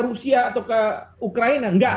rusia atau ke ukraina enggak